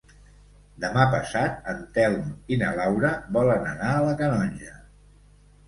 Demà passat en Telm i na Laura volen anar a la Canonja.